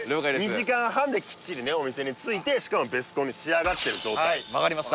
２時間半できっちりねお店に着いてしかもベスコンに仕上がってる状態分かりました